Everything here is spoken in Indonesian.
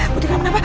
putri kenapa napa